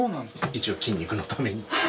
一応筋肉のために。